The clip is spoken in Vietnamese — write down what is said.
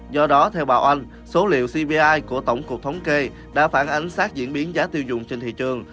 do đó theo bà oanh số liệu cbi của tổng cục thống kê đã phản ánh sát diễn biến giá tiêu dùng trên thị trường